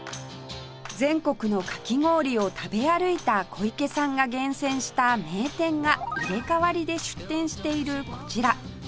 全国のかき氷を食べ歩いた小池さんが厳選した名店が入れ替わりで出店しているこちら